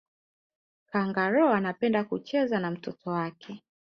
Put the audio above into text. kangaroo anapenda kucheza na mtoto wake